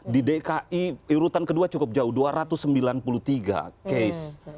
di dki urutan kedua cukup jauh dua ratus sembilan puluh tiga case